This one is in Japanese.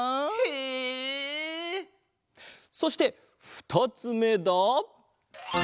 そしてふたつめだ。